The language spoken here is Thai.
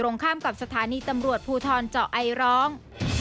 ในตำรวจภูทรเจาะไอร้อง